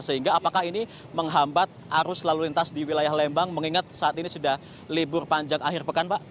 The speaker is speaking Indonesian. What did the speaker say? sehingga apakah ini menghambat arus lalu lintas di wilayah lembang mengingat saat ini sudah libur panjang akhir pekan pak